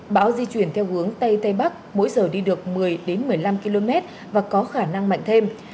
bão di chuyển theo hướng tây tây bắc mỗi giờ đi được một mươi một mươi năm km và có khả năng mạnh thêm